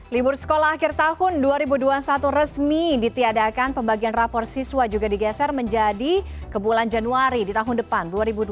libur sekolah akhir tahun dua ribu dua puluh satu resmi ditiadakan pembagian rapor siswa juga digeser menjadi ke bulan januari di tahun depan dua ribu dua puluh